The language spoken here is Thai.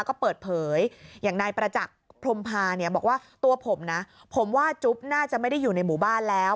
ก็เปิดเผยอย่างนายประจักษ์พรมพาเนี่ยบอกว่าตัวผมนะผมว่าจุ๊บน่าจะไม่ได้อยู่ในหมู่บ้านแล้ว